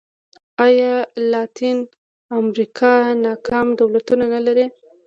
ایا لاتینه امریکا ناکام دولتونه نه لري.